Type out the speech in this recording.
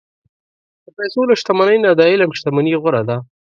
د پیسو له شتمنۍ نه، د علم شتمني غوره ده.